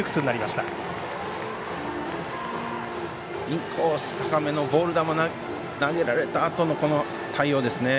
インコース高めのバッター球、投げられたあとのこの対応ですね。